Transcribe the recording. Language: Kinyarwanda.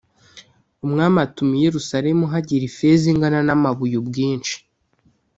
Umwami atuma i Yerusalemu hagira ifeza ingana n’amabuye ubwinshi